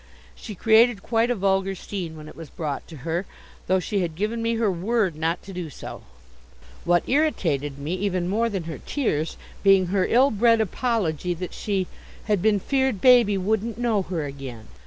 She created quite a vulgar scene when it was brought to her, though she had given me her word not to do so; what irritated me, even more than her tears, being her ill bred apology that she "had been 'feared baby wouldn't know her again."